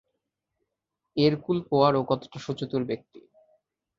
Hercule Poirot কতোটা সুচতুর ব্যক্তি!